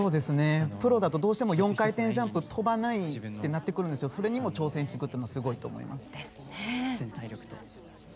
プロだとどうしても４回転ジャンプ跳ばないってなってくるんですけどそれにも挑戦していくっていうのはすごいと思います。